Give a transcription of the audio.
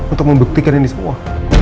untuk membuktikan ini semua